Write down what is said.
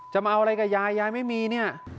มาเอาอะไรกับยายยายไม่มีเนี่ย